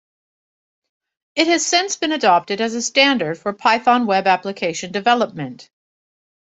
It has since been adopted as a standard for Python web application development.